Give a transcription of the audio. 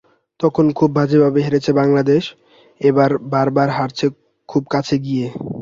তখন খুব বাজেভাবে হেরেছে বাংলাদেশ, এবার বারবার হারছে খুব কাছে গিয়ে।